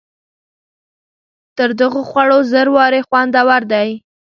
تر دغو خوړو زر وارې خوندور دی.